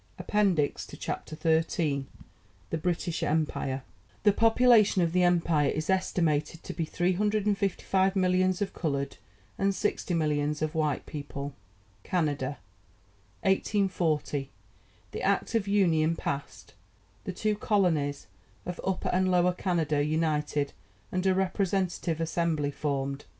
Appendix to Chapter XIII THE BRITISH EMPIRE The population of the Empire is estimated to be 355 millions of coloured and 60 millions of white people. CANADA 1840. The Act of Union passed. The two colonies of Upper and Lower Canada united, and a representative Assembly formed.